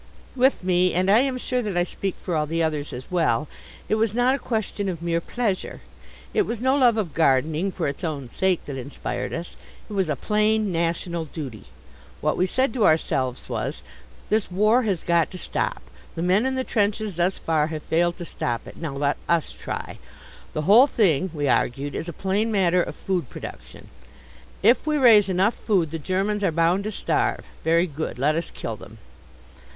With me and I am sure that I speak for all the others as well it was not a question of mere pleasure; it was no love of gardening for its own sake that inspired us. It was a plain national duty. What we said to ourselves was: "This war has got to stop. The men in the trenches thus far have failed to stop it. Now let us try. The whole thing," we argued, "is a plain matter of food production." "If we raise enough food the Germans are bound to starve. Very good. Let us kill them."